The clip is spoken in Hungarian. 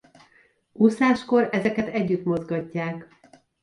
Úszáskor ezeket együtt mozgatják.